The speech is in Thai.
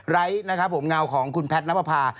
ไลค์นะครับงาวของคุณแพทย์น้ำอภา